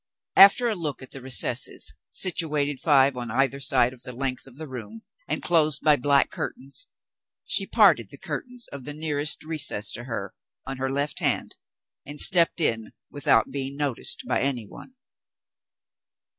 After a look at the recesses situated, five on either side of the length of the room, and closed by black curtains she parted the curtains of the nearest recess to her, on her left hand; and stepped in without being noticed by anyone.